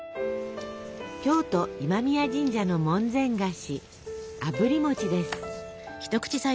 京都今宮神社の門前菓子「あぶり餅」です。